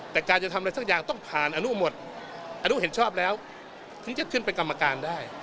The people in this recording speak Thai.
แต่การจะทำอะไรสักอย่างต้องผ่านอนุหมดอนุเห็นชอบแล้วถึงจะขึ้นเป็นกรรมการได้